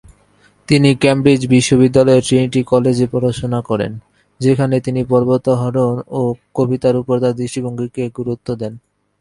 তিনি ক্যামব্রিজ বিশ্ববিদ্যালয়ের ট্রিনিটি কলেজে পড়াশোনা করেন, যেখানে তিনি পর্বতারোহণ ও কবিতার উপর তার দৃষ্টিভঙ্গিকে গুরুত্ব দেন।